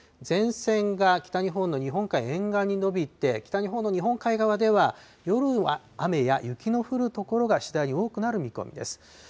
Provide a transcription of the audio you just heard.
前線が北日本の日本海沿岸に延びて、北日本の日本海側では、夜は雨や雪の降る所が次第に多くなる見込みです。